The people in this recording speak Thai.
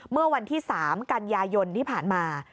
เมื่อวันที่๓กันยายนที่ผ่านมา